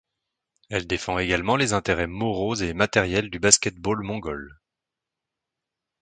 Elle défend également les intérêts moraux et matériels du basket-ball mongol.